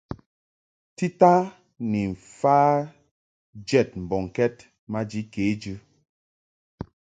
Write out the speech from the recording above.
Tita ni mfa jɛd mbɔŋkɛd maji kejɨ.